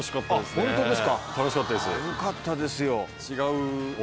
よかったですよ。